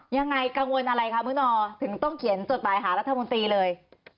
ยังไงกังวลอะไรคะมื้อนอถึงต้องเขียนจดหมายหารัฐมนตรีเลย